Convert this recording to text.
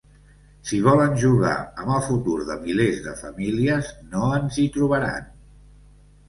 Si volen jugar amb el futur de milers de famílies, no ens hi trobaran.